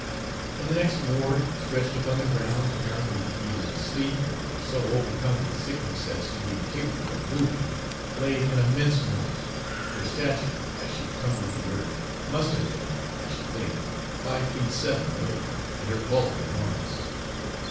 In the next ward, stretched upon the ground, apparently either asleep or so overcome with sickness as to be incapable of moving, lay an immense woman, her stature, as she cumbered the earth, must have been, I should think, five feet seven or eight, and her bulk enormous.